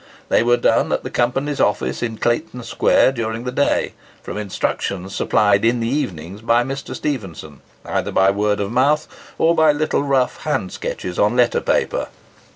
They were done at the Company's office in Clayton Square during the day, from instructions supplied in the evenings by Mr. Stephenson, either by word of mouth, or by little rough hand sketches on letter paper.